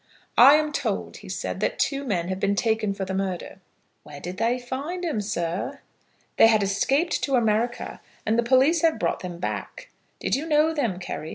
"I am told," he said, "that two men have been taken for the murder." "Where did they find 'em, sir?" "They had escaped to America, and the police have brought them back. Did you know them, Carry?"